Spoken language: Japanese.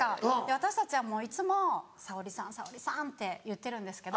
私たちはもういつも沙保里さん沙保里さん！って言ってるんですけど。